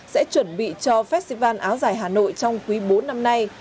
sẽ chuẩn bị cho festival áo dài hà nội trong quý bốn năm nay